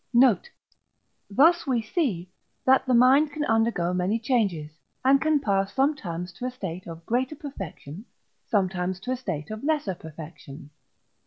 Note. Thus we see, that the mind can undergo many changes, and can pass sometimes to a state of greater perfection, sometimes to a state of lesser perfection.